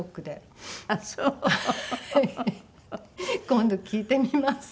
今度聞いてみます。